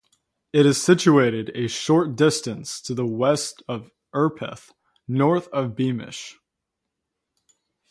It is situated a short distance to the west of Urpeth, north of Beamish.